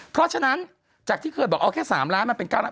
เพราะฉะนั้นจากที่เคยบอกเอาแค่๓ล้านมันเป็น๙ล้าน